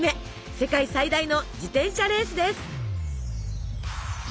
世界最大の自転車レースです。